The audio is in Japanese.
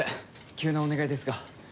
急なお願いですが。